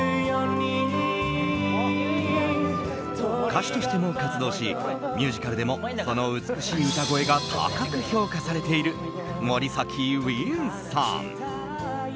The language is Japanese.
歌手としても活動しミュージカルでもその美しい歌声が高く評価されている森崎ウィンさん。